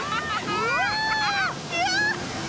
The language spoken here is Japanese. うわ！